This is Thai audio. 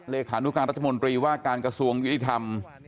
เลขานุการรัฐมนตรีว่าการกระทรวงยุติธรรม